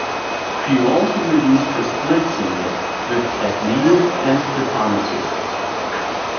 She also released a split single with Ted Leo and The Pharmacists.